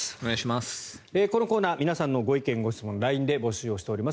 このコーナー皆さんのご意見・ご質問をＬＩＮＥで募集をしております。